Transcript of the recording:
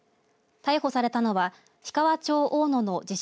逮捕されたのは、氷川町大野の自称